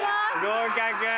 合格。